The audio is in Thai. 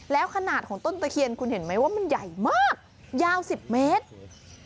แล้วขนาดของต้นตะเคียนคุณเห็นไหมว่ามันใหญ่มากยาว๑๐เมตร